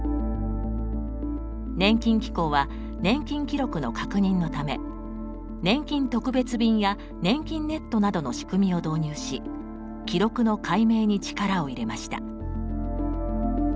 年金機構は年金記録の確認のためねんきん特別便やねんきんネットなどの仕組みを導入し記録の解明に力を入れました。